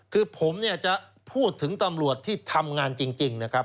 คือผมเนี่ยจะพูดถึงตำรวจที่ทำงานจริงนะครับ